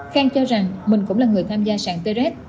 khang cho rằng mình cũng là người tham gia sàn trs